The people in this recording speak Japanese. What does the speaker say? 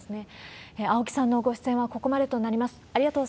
青木さんのご出演はここまでとなります。